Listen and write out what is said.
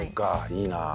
いいなあ。